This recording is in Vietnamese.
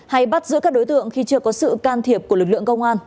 hay bắt giữ các đối tượng khi chưa có sự can thiệp của lực lượng công an